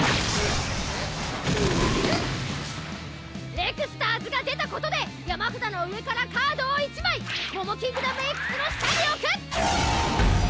レクスターズが出たことで山札の上からカードを１枚モモキングダムＸの下に置く！